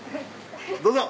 どうぞ。